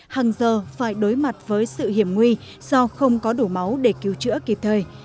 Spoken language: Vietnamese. hàng giờ phải đối mặt với sự hiểm nguy do không có đủ máu để cứu chữa kịp thời